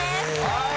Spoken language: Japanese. はい。